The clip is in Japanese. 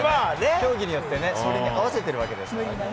競技によってね、それに合わせてるわけですからね。